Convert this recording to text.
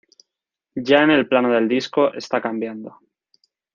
Ya en el plano del disco está cambiando.